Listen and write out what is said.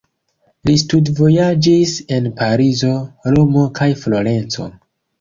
Li studvojaĝis en Parizo, Romo kaj Florenco.